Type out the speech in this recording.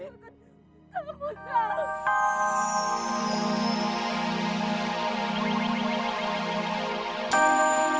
ampuni dosa anakku